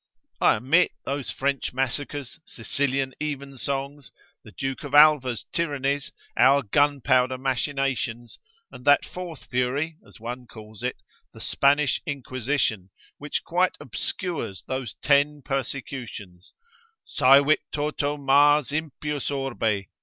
I omit those French massacres, Sicilian evensongs, the Duke of Alva's tyrannies, our gunpowder machinations, and that fourth fury, as one calls it, the Spanish inquisition, which quite obscures those ten persecutions, ———saevit toto Mars impius orbe.